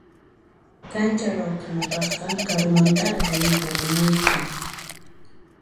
Kancha rawkhanapaqqa karumantaraq rumita apamuyku.